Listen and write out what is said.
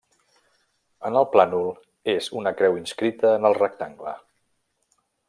En el plànol, és una creu inscrita en el rectangle.